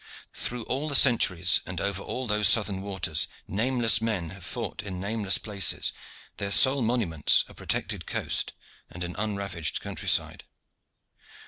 Through all the centuries and over all those southern waters nameless men have fought in nameless places, their sole monuments a protected coast and an unravaged country side.